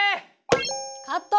カット！